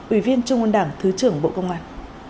ủy viên trung ương đảng thứ trưởng bộ công an